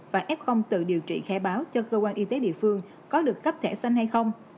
và f tự điều trị khai báo cho cơ quan y tế địa phương có được cấp thẻ xanh hay không